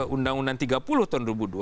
undang undang tiga puluh tahun dua ribu dua